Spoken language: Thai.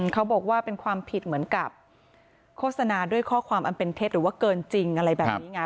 เขาบอกว่าเป็นความผิดเหมือนกับโฆษณาด้วยข้อความอันเป็นเท็จหรือว่าเกินจริงอะไรแบบนี้ไง